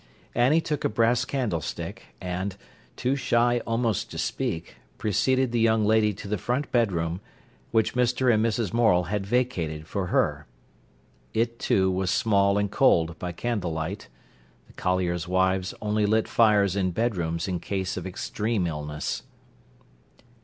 Annie took a brass candlestick, and, too shy almost to speak, preceded the young lady to the front bedroom, which Mr. and Mrs. Morel had vacated for her. It, too, was small and cold by candlelight. The colliers' wives only lit fires in bedrooms in case of extreme illness.